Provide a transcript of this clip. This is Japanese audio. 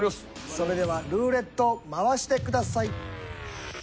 それではルーレット回してください。